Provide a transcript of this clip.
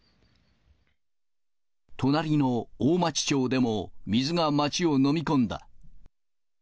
隣の大町町でも水が町を飲み込んだ。